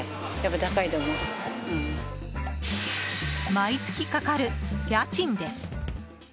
毎月かかる家賃です。